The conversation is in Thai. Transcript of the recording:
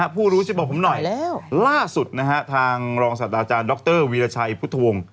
ผู้รู้ช่วยบอกผมหน่อยล่าสุดทางรองศาสตร์อาจารย์ดรวีรชัยพุทธวง